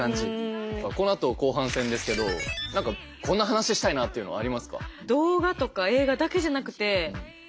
このあと後半戦ですけど何かこんな話したいなっていうのはありますか？